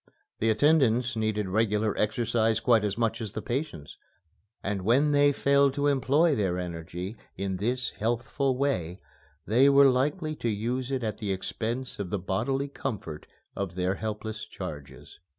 The attendants needed regular exercise quite as much as the patients and when they failed to employ their energy in this healthful way, they were likely to use it at the expense of the bodily comfort of their helpless charges.